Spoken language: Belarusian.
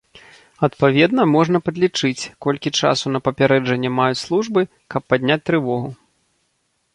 Адпаведна, можна падлічыць, колькі часу на папярэджанне маюць службы, каб падняць трывогу.